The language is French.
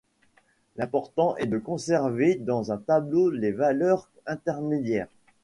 L'important est de conserver dans un tableau les valeurs intermédiaires.